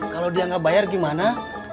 kalau dia nggak bayar gimana